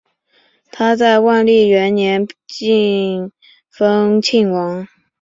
他在万历元年晋封庆王。